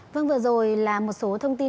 vâng vừa rồi là một số thông tin